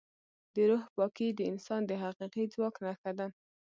د روح پاکي د انسان د حقیقي ځواک نښه ده.